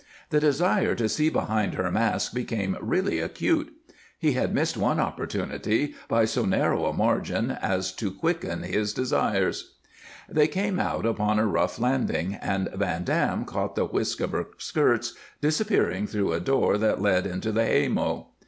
The desire to see behind her mask became really acute. He had missed one opportunity by so narrow a margin as to quicken his desires. They came out upon a rough landing, and Van Dam caught the whisk of her skirts disappearing through a door that led into the haymow.